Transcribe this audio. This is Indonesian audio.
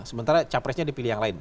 sementara capresnya dipilih yang lain